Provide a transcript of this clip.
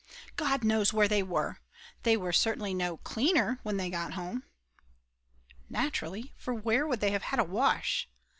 God knows where they were! They were certainly no cleaner when they got home. (Naturally, for where could they have had a wash.)